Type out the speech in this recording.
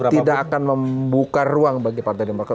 tidak akan membuka ruang bagi partai demokrat